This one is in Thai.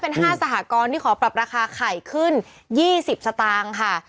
เป็น๕สหกรณ์ที่ขอปรับราคาไข่ขึ้น๒๐สตางค์ค่ะ